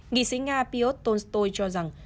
nghị sĩ nga pyotr tolstoy cho rằng